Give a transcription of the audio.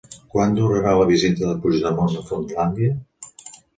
Quant durarà la visita de Puigdemont a Finlàndia?